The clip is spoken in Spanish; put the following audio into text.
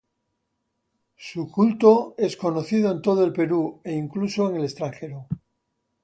Su culto es conocido en todo el Perú e incluso en el extranjero.